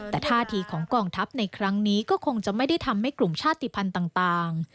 แต่ท่าทีของกองทัพในครั้งนี้ก็คงจะไม่ได้ทำให้กลุ่มชาติภัณฑ์ต่าง